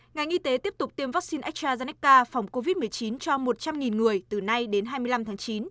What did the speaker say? ngành y tế tiếp tục tiêm vaccine astrazeneca phòng covid một mươi chín cho một trăm linh người từ nay đến hai mươi năm tháng chín